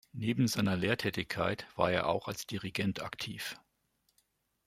Neben seiner Lehrtätigkeit war er auch als Dirigent aktiv.